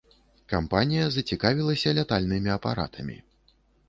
Кампанія зацікавілася лятальнымі апаратамі.